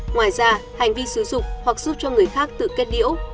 ngoài ra hành vi xứ dục hoặc giúp cho người khác tự kết điễu